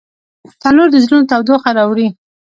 تنور د زړونو تودوخه راوړي